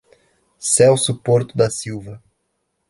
Celso Porto da Silva